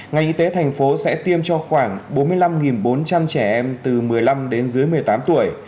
ngành y tế thành phố sẽ tiêm cho khoảng bốn mươi năm bốn trăm linh trẻ em từ một mươi năm đến dưới một mươi tám tuổi